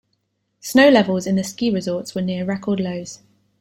Snow levels in the ski resorts were near record lows.